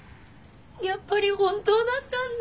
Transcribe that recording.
やっぱり本当だったんだ。